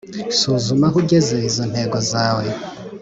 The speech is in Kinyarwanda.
Suzuma aho ugeze izo ntego zawe.